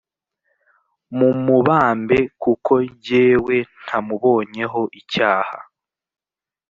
mumubambe kuko jyewe ntamubonyeho icyaha